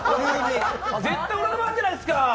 絶対俺の番じゃないですか。